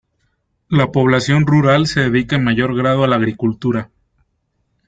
La población rural se dedica en mayor grado a la agricultura.